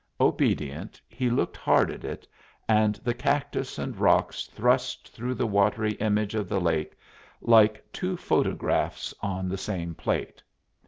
Obedient, he looked hard at it, and the cactus and rocks thrust through the watery image of the lake like two photographs on the same plate.